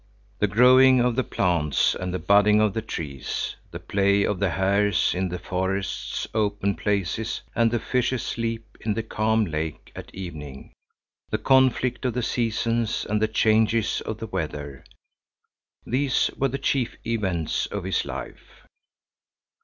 The growing of the plants and the budding of the trees, the play of the hares in the forest's open places and the fish's leap in the calm lake at evening, the conflict of the seasons and the changes of the weather, these were the chief events in his life.